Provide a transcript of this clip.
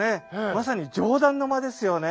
まさに上段の間ですよね。